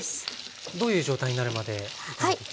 どういう状態になるまで炒めていきますか？